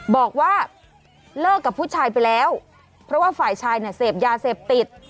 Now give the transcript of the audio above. บอกว่าเลิกกับผู้ชายไปแล้วเพราะว่าฝ่ายชายเนี่ยเสพยาเสพติด